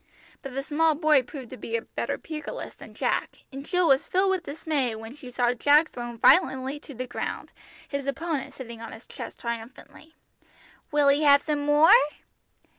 But the small boy proved to be a better pugilist than Jack, and Jill was filled with dismay when she saw Jack thrown violently to the ground, his opponent sitting on his chest triumphantly. "Will 'ee have some more?"